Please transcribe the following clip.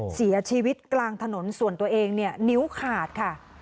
เสียชีวิตกลางถนนส่วนตัวเองเนี่ยนิ้วขาดค่ะ